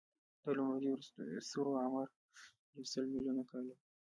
د لومړنیو ستورو عمر یو سل ملیونه کاله و.